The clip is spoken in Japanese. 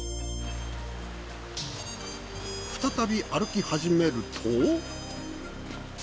再び歩き始めると。